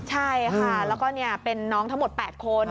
ใช่ค่ะแล้วก็เป็นน้องทั้งหมด๘คน